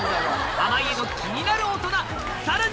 濱家の気になるオトナさらに！